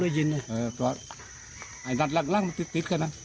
เด็กเป็นวัตก์ท่า